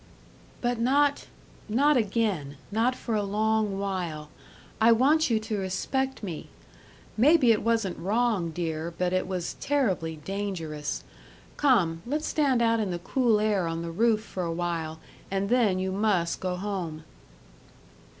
"But not not again not for a long while. I want you to respect me. Maybe it wasn't wrong, dear, but it was terribly dangerous. Come, let's stand out in the cool air on the roof for a while and then you must go home."